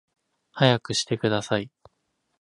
速くしてください